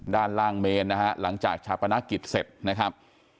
ด้านล่างเมนนะฮะหลังจากชาปนกิจเสร็จนะครับ